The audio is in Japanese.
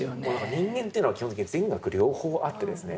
人間というのは基本的に善悪両方あってですね